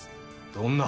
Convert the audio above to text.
どんな？